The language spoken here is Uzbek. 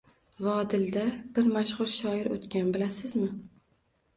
– Vodilda bir mashxur shoir o’tgan, bilasizmi?